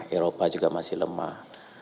eropa juga masih lemah